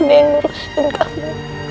bukan yang ngurusin kamu